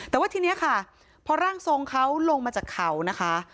แต่ว่าทีนี้ค่ะพอร่างทรงเขาลงมาจากเขานะคะ